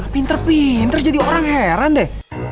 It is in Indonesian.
pinter pinter jadi orang heran deh